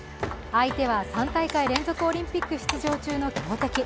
相手は３大会連続オリンピック出場中の強敵。